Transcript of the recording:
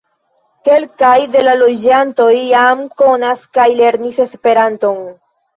Kelkaj de la loĝantoj jam konas kaj lernis Esperanton.